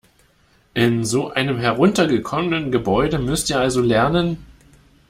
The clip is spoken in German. In so einem heruntergekommenen Gebäude müsst ihr also lernen?